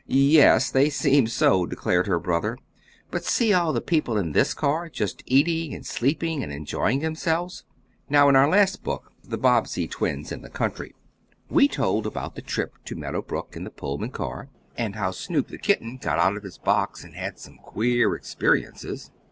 "Yes, they seem so," declared her brother, "but see all the people in this car, just eating and sleeping and enjoying themselves." Now in our last book, "The Bobbsey Twins in the Country," we told about the trip to Meadow Brook in the Pullman car, and how Snoop, the kitten, got out of his box, and had some queer experiences.